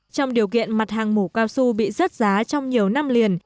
trong điều kiện mặt hàng mù cao su bị rớt giá trong nhiều năm liền